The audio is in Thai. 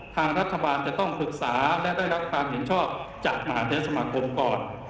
ทางรัฐบาลจะต้องปรึกษาและได้รับความเห็นชอบจากมหาเทศสมาคมก่อน